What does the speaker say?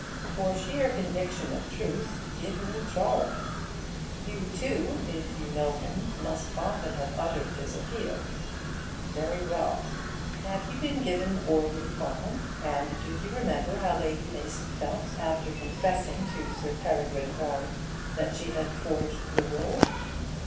For sheer conviction of truth, give me Trollope. You, too, if you know him, must often have uttered this appeal. Very well. Have you been given 'Orley Farm'? And do you remember how Lady Mason felt after confessing to Sir Peregrine Orme that she had forged the will?